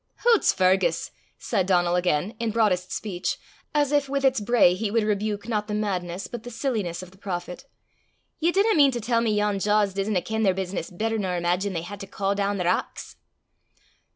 "Hoots, Fergus!" said Donal again, in broadest speech, as if with its bray he would rebuke not the madness but the silliness of the prophet, "ye dinna mean to tell me yon jaws (billows) disna ken their business better nor imaigine they hae to caw doon the rocks?"